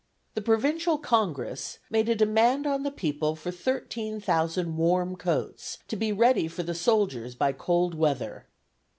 The Provincial Congress "made a demand on the people for thirteen thousand warm coats to be ready for the soldiers by cold weather."